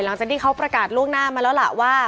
หลังจากที่เขาประกาศล่วงหน้ามาแล้วล่ะว่า